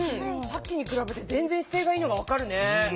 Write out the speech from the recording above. さっきにくらべてぜんぜん姿勢がいいのが分かるね。